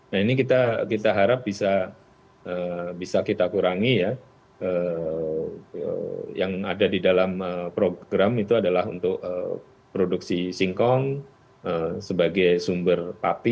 nah ini kita harap bisa kita kurangi ya yang ada di dalam program itu adalah untuk produksi singkong sebagai sumber papi